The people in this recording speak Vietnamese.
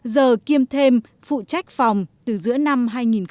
giờ kiêm thêm phụ trách phòng từ giữa năm hai nghìn một mươi